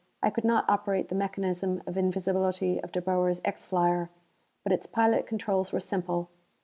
I could not operate the mechanism of invisibility of De Boer's X flyer. But its pilot controls were simple.